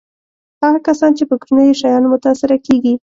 هغه کسان چې په کوچنیو شیانو متأثره کېږي.